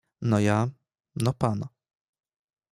No ja. No pan.